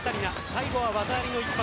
最後は技ありの一発